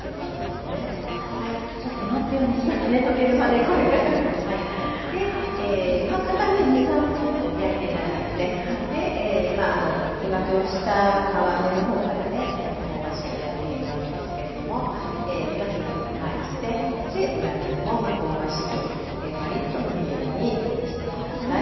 で片面２３分焼いて頂いてで皮目の方からね香ばしく焼いているわけですけれどもひっくり返してで裏面も香ばしくパリッとムニエルにして下さい。